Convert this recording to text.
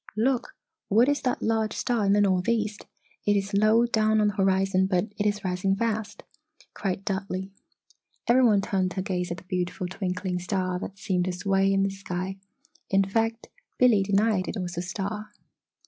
"Look! What is that large star in the northeast it is low down on the horizon but it is rising fast?" cried Dudley. Every one turned to gaze at the beautiful twinkling star that seemed to sway in the sky. In fact Billy denied it was a star.